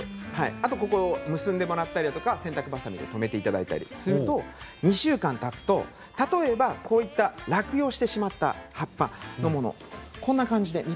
あとはここを結んだり洗濯ばさみで留めていただいたりすると２週間ぐらいたつと例えば落葉してしまった葉っぱのものこんな感じでね